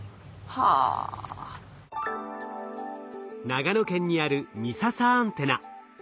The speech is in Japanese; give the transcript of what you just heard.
長野県にある美笹アンテナ。